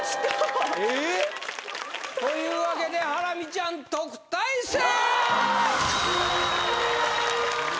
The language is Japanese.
えっ？というわけでハラミちゃん特待生！